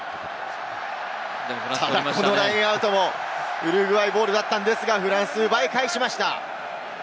このラインアウトもウルグアイボールだったんですが、フランス奪い返しました。